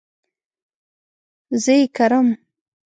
زه ئې کرم